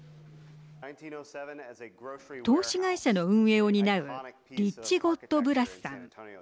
投資会社の運営を担うリッチ・ゴットブラスさん。